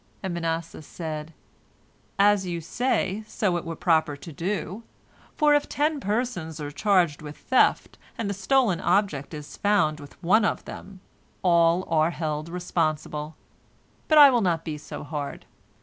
And Manasseh said, "As you say, so were it proper to do, for if ten persons are charged with theft, and the stolen object is found with one of them, all are held responsible. But I will not be so hard.